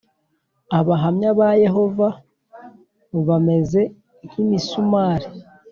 Abahamya ba Yehova bameze nk’imisumari